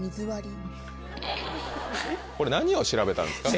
これ何を調べたんですか？